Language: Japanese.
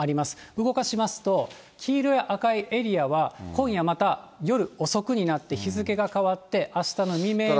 動かしますと、黄色や赤いエリアは、今夜また夜遅くになって日付が変わって、あしたの未明に。